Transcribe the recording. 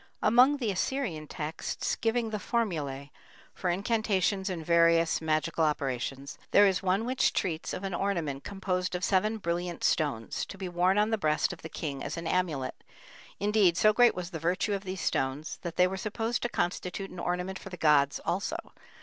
Among the Assyrian texts giving the formulæ for incantations and various magical operations, there is one which treats of an ornament composed of seven brilliant stones, to be worn on the breast of the king as an amulet; indeed, so great was the virtue of these stones that they were supposed to constitute an ornament for the gods also.